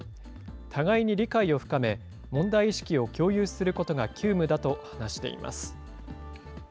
互いに理解を深め、問題意識を共有することが急務だと話しています。